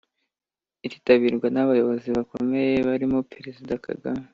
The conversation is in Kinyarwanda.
iritabirwa n’abayobozi bakomeye barimo Perezida Kagame